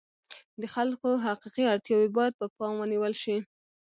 د خلکو حقیقي اړتیاوې باید پر پام ونیول شي.